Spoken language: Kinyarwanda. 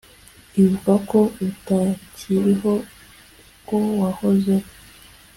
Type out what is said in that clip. Ibuka ko utakiriho uko wahozeho